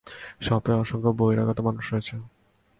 শপে অসংখ্য বহিরাগত মানুষ রয়েছে!